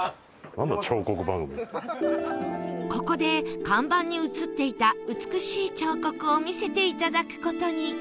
ここで看板に写っていた美しい彫刻を見せていただく事に